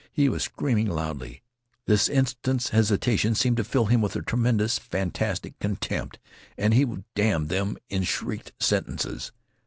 He was screaming loudly. This instant's hesitation seemed to fill him with a tremendous, fantastic contempt, and he damned them in shrieked sentences.